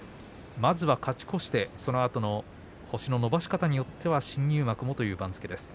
まずは勝ち越してそのあとの星を伸ばし方によっては新入幕もという場所です。